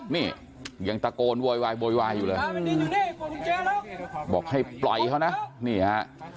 นี่ยังตะโกนโวยวายโวยวายอยู่เลยบอกให้ปล่อยเขานะนี่ฮะ